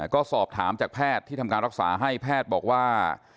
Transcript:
ก็สอบถามจากแพทย์ที่ทำการรักษาให้แพทย์บอกว่า